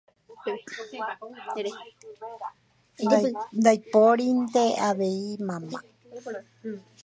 ndaipórinte avei mama